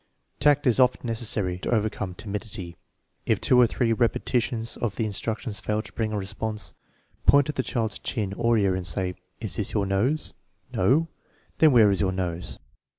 Tact is often necessary to overcome timidity. If two or three repetitions of the instruction fail to bring a response, point to the child's chin or ear and say: " Is this your nose ?"" No ?"" Then where is your nose